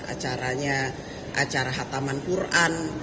acaranya acara hataman quran